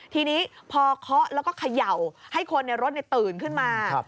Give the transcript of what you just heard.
ทีนี้พอเคาะแล้วก็เขย่าให้คนในรถตื่นขึ้นมา